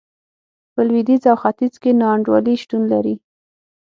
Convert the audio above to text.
په لوېدیځ او ختیځ کې نا انډولي شتون لري.